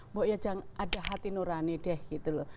mbok ya jangan ada hati nurani deh gitu loh